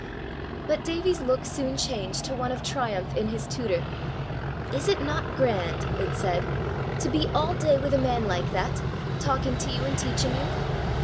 But Davie's look soon changed to one of triumph in his tutor. "Is is not grand," it said, "to be all day with a man like that talking to you and teaching you?"